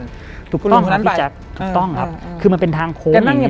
คุณลุงคนนั้นไปถูกต้องครับคือมันเป็นทางโค้งอย่างเงี้ย